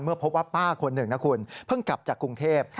เมื่อพบว่าป้าคนหนึ่งเพิ่งกลับจากกรุงเทพฯ